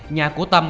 nhà của tâm